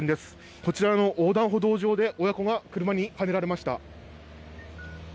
こちらの横断歩道上で親子が車にはねられました。